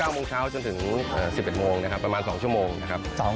๙โมงเช้าจนถึง๑๑โมงประมาณ๒ชั่วโมง